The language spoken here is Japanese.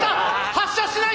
発射しない！